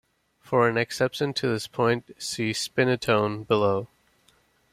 For an exception to this point, see "spinettone", below.